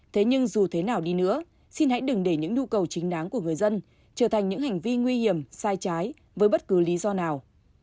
thế nhưng dù thế nào đi nữa xin hãy đừng để những nhu cầu chính đáng của người dân trở thành những hành vi nguy hiểm sai trái với bất cứ lý do nào